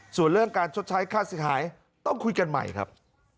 ส่วนเรื่องการชดใช้ค่าเสียหายต้องคุยกันใหม่ครับ